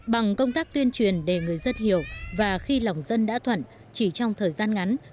bằng công tác tuyên truyền để người dân hiểu và khi lòng dân đã thuận chỉ trong thời gian ngắn